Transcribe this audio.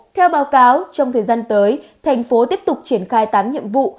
theo báo cáo trong thời gian tới thành phố tiếp tục triển khai tám nhiệm vụ